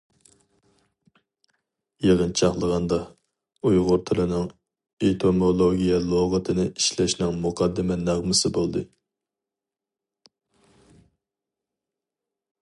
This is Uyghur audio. يىغىنچاقلىغاندا، ئۇيغۇر تىلىنىڭ ئېتىمولوگىيە لۇغىتىنى ئىشلەشنىڭ مۇقەددىمە نەغمىسى بولدى.